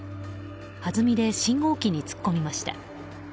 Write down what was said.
はずみで信号機に突っ込みました。